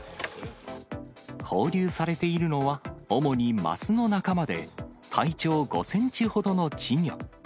放流されているのは主にマスの仲間で、体長５センチほどの稚魚。